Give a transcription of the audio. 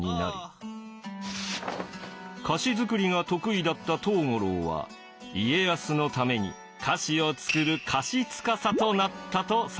菓子作りが得意だった藤五郎は家康のために菓子を作る菓子司となったとされています。